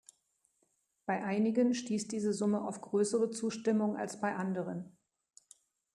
Bei einigen stieß diese Summe auf größere Zustimmung als bei anderen.